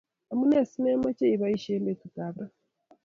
Amune si memache ichopisie eng petutap ra